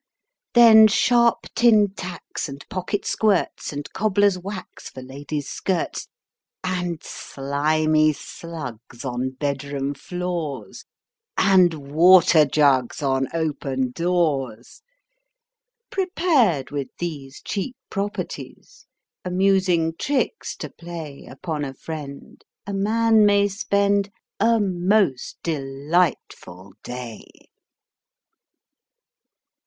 Then sharp tin tacks And pocket squirts â And cobbler's wax For ladies' skirts â And slimy slugs On bedroom floors â And water jugs On open doors â Prepared with these cheap properties, amusing tricks to play Upon a friend a man may spend a most delightful day.